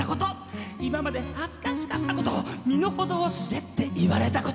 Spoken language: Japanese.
「今まで恥ずかしかった事身の程を知れって言われた事」